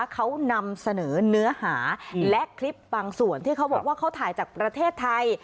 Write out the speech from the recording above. เขานำเสนอเนื้อหาและคลิปบางส่วนที่เขาบอกว่าเขาถ่ายจากประเทศไทย